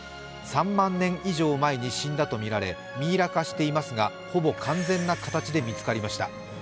３万人以上前に死んだとみられミイラ化していますが、ほぼ完全な形で見つかりました。